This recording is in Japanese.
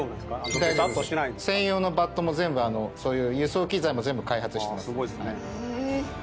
専用のバットも全部そういう輸送機材も全部開発しています。